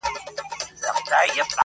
هم مُلا هم گاونډیانو ته منلی؛